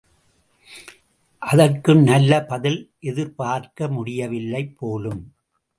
அதற்கும் நல்ல பதில் எதிர்பார்க்க முடியவில்லை போலும்.